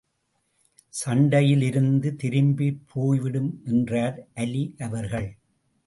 சண்டையிலிருந்து திரும்பிப் போய்விடும் என்றார் அலி அவர்கள்.